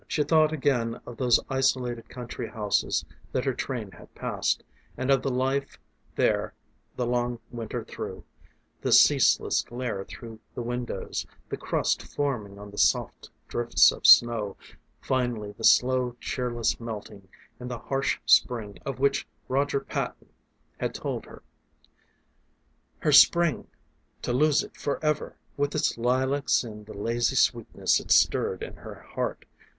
She thought again of those isolated country houses that her train had passed, and of the life there the long winter through the ceaseless glare through the windows, the crust forming on the soft drifts of snow, finally the slow cheerless melting and the harsh spring of which Roger Patton had told her. Her spring to lose it forever with its lilacs and the lazy sweetness it stirred in her heart.